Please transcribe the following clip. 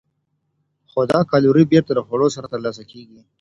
خو دا کالوري بېرته خوړو سره ترلاسه کېږي.